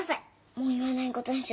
もう言わないことにする。